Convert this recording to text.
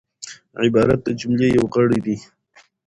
عبارت د جملې یو غړی دئ.